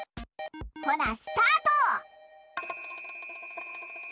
ほなスタート！